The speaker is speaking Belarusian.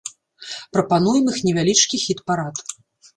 Прапануем іх невялічкі хіт-парад.